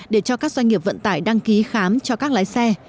để cho các doanh nghiệp vận tải đăng ký khám cho các lái xe